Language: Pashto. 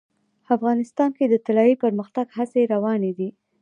افغانستان کې د طلا د پرمختګ هڅې روانې دي.